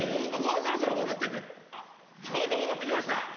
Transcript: もうそろそろ戻ってくるあっちょうど戻ってきました。